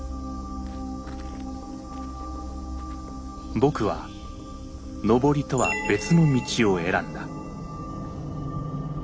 僕は登りとは別の道を選んだ。